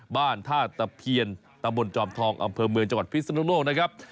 บ้านท่าตะเพียนตำบลจอมทองอำเภอเมืองจังหวัดพิศนุโลกนะครับ